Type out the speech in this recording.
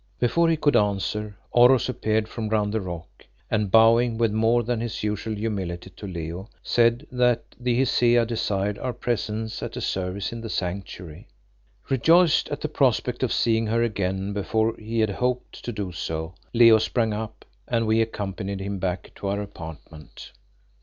Before he could answer Oros appeared from round the rock, and, bowing with more than his usual humility to Leo, said that the Hesea desired our presence at a service in the Sanctuary. Rejoiced at the prospect of seeing her again before he had hoped to do so, Leo sprang up and we accompanied him back to our apartment.